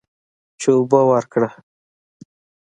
چې اوبه ورکړه.